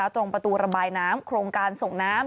ตรงประตูระบายน้ำโครงการส่งน้ำ